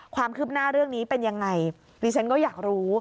ความคืบหน้าเรื่องนี้เป็นยังไงดิฉันก็อยากรู้